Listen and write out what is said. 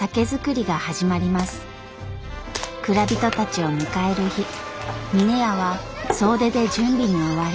蔵人たちを迎える日峰屋は総出で準備に追われ。